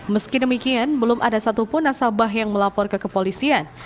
meski demikian belum ada satupun nasabah yang melapor ke kepolisian